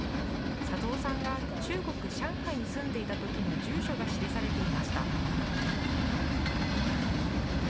左三さんが中国・上海に住んでいたときの住所が記されていました。